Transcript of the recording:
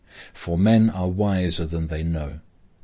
For men are wiser than they know.